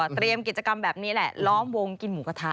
เตรียมกิจกรรมแบบนี้แหละล้อมวงกินหมูกระทะ